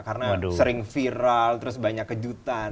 karena sering viral terus banyak kejutan